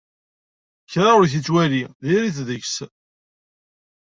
Kra ur t-yettwali diri-t deg-s.